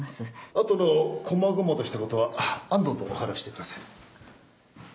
あとのこまごまとしたことは安藤と話してください。